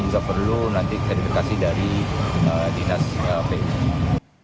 terima kasih dari dinas pekerjaan umum